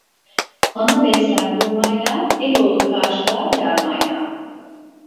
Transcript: Ana besler hurmayla, eloğlu karşılar yarmayla.